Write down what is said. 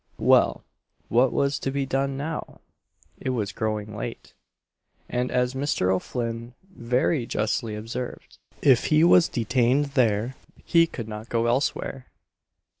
Well, what was to be done now? It was growing late, and as Mr. O'Flinn very justly observed, if he was detained there he could not go elsewhere.